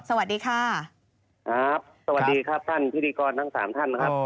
สวัสดีครับท่านพิธีกรทั้ง๓ท่านนะครับ